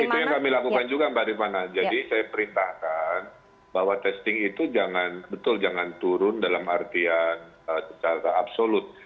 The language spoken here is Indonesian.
itu yang kami lakukan juga mbak rifana jadi saya perintahkan bahwa testing itu jangan betul jangan turun dalam artian secara absolut